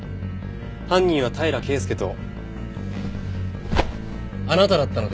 犯人は平良圭介とあなただったのでは？